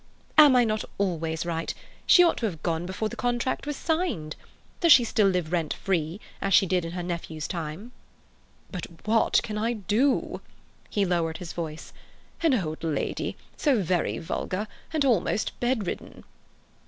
"Am I not always right? She ought to have gone before the contract was signed. Does she still live rent free, as she did in her nephew's time?" "But what can I do?" He lowered his voice. "An old lady, so very vulgar, and almost bedridden."